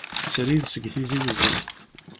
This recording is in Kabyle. Srid seg Tizi uzzu.